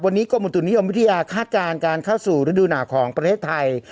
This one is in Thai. วันนี้กรมอุตุนิยมวิทยาคาดการณ์การเข้าสู่ฤดูหนาวของประเทศไทย